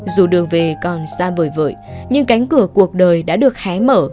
dù đường về còn xa bời vợi nhưng cánh cửa cuộc đời đã được hé mở